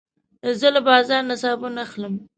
زه له بازار نه صابون اخلم.